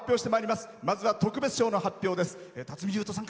まずは特別賞の発表です。